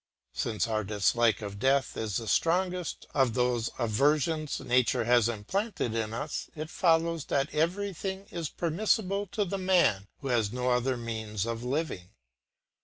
Since our dislike of death is the strongest of those aversions nature has implanted in us, it follows that everything is permissible to the man who has no other means of living.